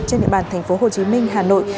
trên địa bàn thành phố hồ chí minh hà nội